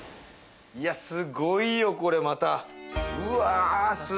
すごいよ、これまた！